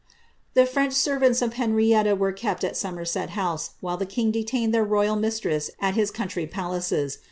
The French servants of Henrietta were kept at Somerset House, while e king detained their royal mistress at his country palaces.